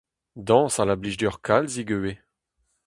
Dañsal a blij deoc'h kalzik ivez.